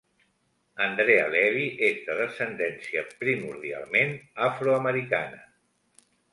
Andrea Levy és de descendència primordialment afroamericana.